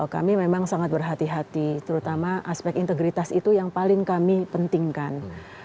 kami memang sangat berhati hati terutama aspek integritas itu yang paling kami pentingkan